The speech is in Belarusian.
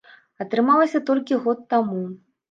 Атрымалася толькі год таму.